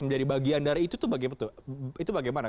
menjadi bagian dari itu itu bagaimana